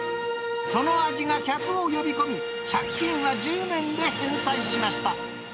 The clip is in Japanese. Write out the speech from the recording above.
その味が客を呼び込み、借金は１０年で返済しました。